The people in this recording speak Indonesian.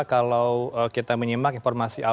kalau kita menyimak informasi awal